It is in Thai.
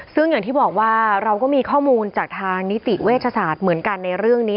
ซึ่งอย่างที่บอกว่าเราก็มีข้อมูลจากทางนิติเวชศาสตร์เหมือนกันในเรื่องนี้